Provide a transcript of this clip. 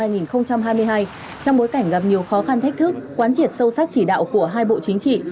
trong bối cảnh gặp nhiều khó khăn thách thức quán triệt sâu sắc chỉ đạo của hai bộ chính trị